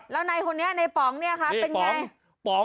แล้วในคนเนี่ยในป๋องเนี่ยค่ะเป็นไงนี่ป๋อง